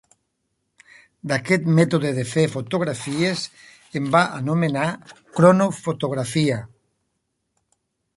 D’aquest mètode de fer fotografies, en va anomenar Cronofotografia.